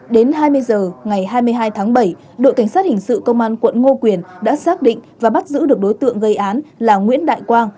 đến hai mươi h ngày hai mươi hai tháng bảy đội cảnh sát hình sự công an quận ngô quyền đã xác định và bắt giữ được đối tượng gây án là nguyễn đại quang